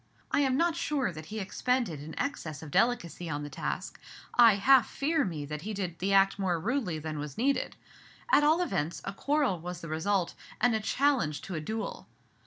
I am not sure that he expended an excess of delicacy on the task; I half fear me that he did the act more rudely than was needed. At all events, a quarrel was the result, and a challenge to a duel.